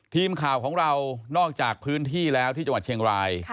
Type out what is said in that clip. ทีมข่าวของเรานอกจากพื้นที่แล้วที่จังหวัดเชียงราย